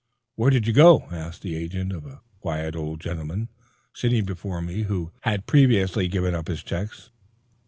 "Where do you go?" asked the agent of a quiet old gentleman sitting before me, who had previously given up his checks.